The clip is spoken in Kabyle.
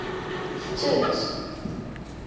Tettett.